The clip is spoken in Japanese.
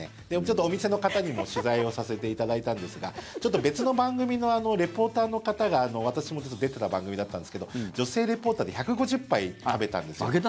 お店の方にも取材をさせていただいたんですが別の番組のリポーターの方が私も出てた番組だったんですけど女性リポーターで１５０杯食べたんですよ。